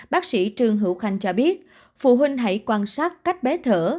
bác sĩ trương hữu khanh cho biết phụ huynh hãy quan sát cách bé thở